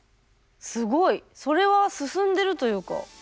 すごい。それは進んでるというか。